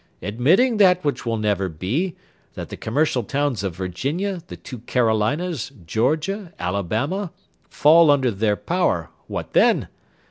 Admitting that which will never be, that the commercial towns of Virginia, the two Carolinas, Georgia, Alabama, fall under their power, what then?